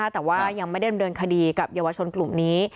แต่ว่ายังไม่ได้ดำเนินคดีกับเยาวชนกลุ่มนี้